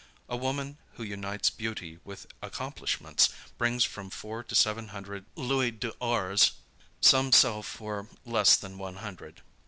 A woman who unites beauty with accomplishments brings from four to seven hundred louis d'ors; some sell for less than one hundred.